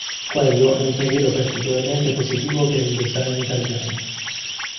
Quello è un periodo particolarmente positivo per il design italiano.